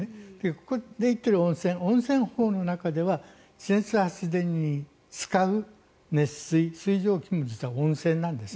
ここで言っている温泉は温泉法の中では地熱発電に使う熱水、水蒸気の温泉なんです。